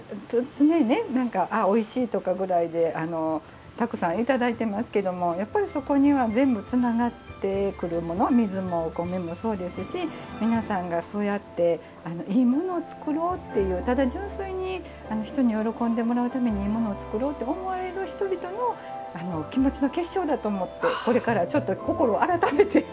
何か「ああおいしい」とかぐらいでたくさん頂いてますけどもやっぱりそこには全部つながってくるもの水もお米もそうですし皆さんがそうやっていいものを作ろうっていうただ純粋に人に喜んでもらうためにいいものを作ろうと思われる人々の気持ちの結晶だと思ってこれからちょっと心を改めて頂きたいと思います。